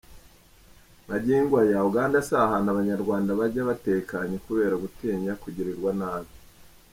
Magingo aya, Uganda si ahantu abanyarwanda bajya batekanye kubera gutinya kugirirwa nabi.